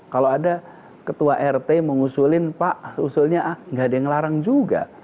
kalau ada ketua rt mengusulin pak usulnya ah nggak ada yang ngelarang juga